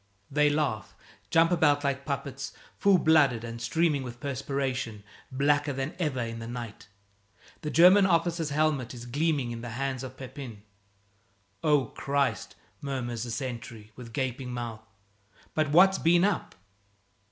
They laugh, jump about like puppets, full blooded and streaming with perspiration, blacker than ever in the night. The German officer's helmet is gleaming in the hands of Pepin. "Oh, Christ!" murmurs the sentry, with gaping mouth, "but what's been up?"